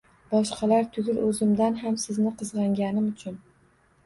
Boshqalar tugul, o`zimdan ham sizni qizg`anganim uchun